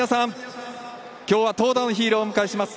きょうは投打のヒーローをお迎えします。